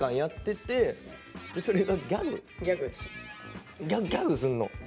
ギャグすんの？